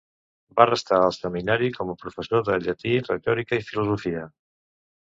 Va restar al Seminari com a professor de llatí, retòrica i filosofia.